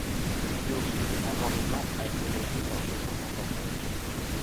Le vidéoclip, en noir et blanc, a été réalisé par Jaco Van Dormael.